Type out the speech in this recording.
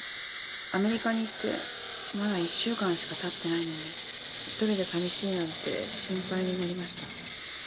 アメリカに行ってまだ一週間しか経ってないのに一人じゃ寂しいなんて心配になりました。